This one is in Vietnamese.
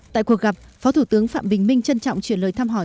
tại cuộc gặp phó thủ tướng phạm bình minh trân trọng chuyển lời thăm hỏi